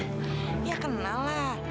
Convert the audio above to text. iya kenal lah